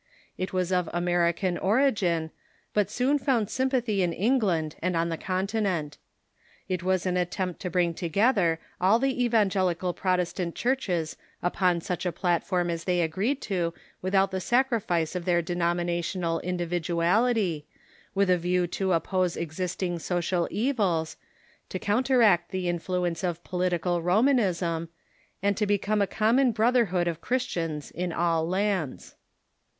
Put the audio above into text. It was of American origin, but soon found sympathy in England and on the Continent. It was Founding of attempt to bring together all the evangelical the Alliance i o o » Protestant churches upon such a platform as they agreed to without the sacrifice of their denominational individ uality, with a view to oppose existing social evils, to counter act the influence of political Romanism, and to become a com mon brotherhood of Christians in all lands.